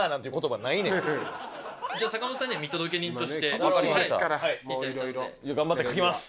じゃあ阪本さんには見届け人としてじゃあ頑張って描きます！